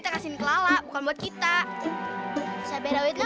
aku ngelakuin baru aja